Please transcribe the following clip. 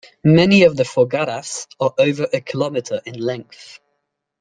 Many of the "foggaras" are over a kilometre in length.